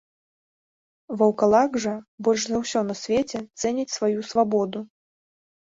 Ваўкалак жа больш за ўсё на свеце цэніць сваю свабоду.